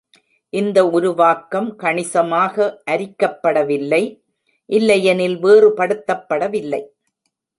இந்த உருவாக்கம் கணிசமாக அரிக்கப்படவில்லை, இல்லையெனில் வேறுபடுத்தப்படவில்லை.